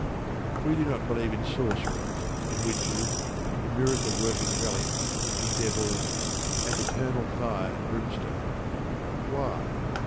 We do not believe in sorcerers, in witches, in miracle working relics, in devils, and eternal fire and brimstone. Why?